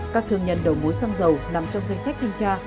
các thương nhân đầu mối xăng dầu nằm trong danh sách thanh tra